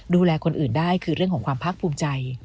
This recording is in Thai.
ดูแลคนอื่นได้คือเรื่องของความภาคภูมิใจ